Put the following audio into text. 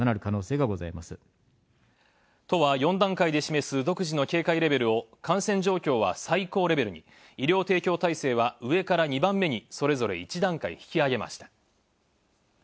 都は４段階で示す、独自の警戒レベルを感染状況は「最高レベル」に、医療提供体制は「上から２番目」にそれぞれ１段階引き上げました。